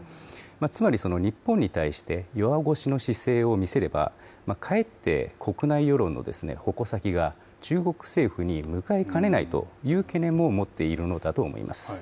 つまり日本に対して弱腰の姿勢を見せれば、かえって、国内世論の矛先が中国政府に向かいかねないという懸念も持っているのだと思います。